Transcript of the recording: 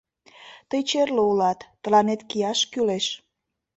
Тый черле улат, тыланет кияш кӱлеш!